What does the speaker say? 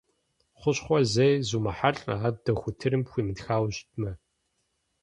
Хущхъуэ зэи зумыхьэлӀэ, ар дохутырым пхуимытхауэ щытмэ.